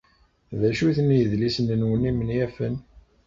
D acu-ten yidlisen-nwen imenyafen?